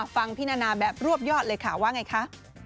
พี่นานาแบบรวบยอดเลยค่ะว่าไงคะ